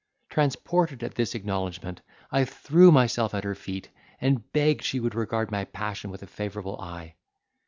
Transported at this acknowledgment I threw myself at her feet, and begged she would regard my passion with a favourable eye.